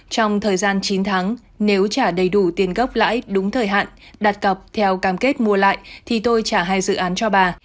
trong thời gian chín tháng nếu trả đầy đủ tiền gốc lãi đúng thời hạn đặt cọc theo cam kết mua lại thì tôi trả hai dự án cho bà